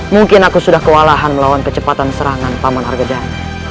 mungkin aku sudah kewalahan melawan kecepatan serangan paman harga dhan